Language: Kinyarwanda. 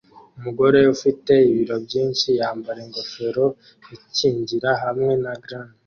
Umugabo ufite ibiro byinshi yambara ingofero ikingira hamwe na gants